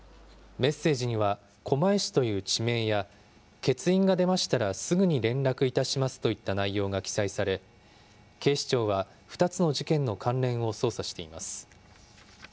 メッセージには狛江市という地名や、欠員が出ましたらすぐに連絡いたしますといった内容が記載され、警視庁は２つの事件の関連を捜査しています。